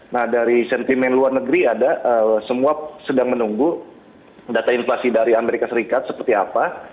nah dari sentimen luar negeri ada semua sedang menunggu data inflasi dari amerika serikat seperti apa